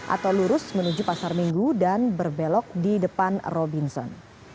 atau lurus menuju pasar minggu dan berbelok di depan robinson